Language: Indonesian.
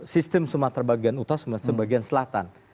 sistem sumatera bagian utara dan bagian selatan